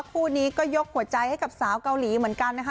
คู่นี้ก็ยกหัวใจให้กับสาวเกาหลีเหมือนกันนะคะ